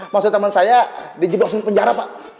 masuk temen saya di jeblosin penjara pak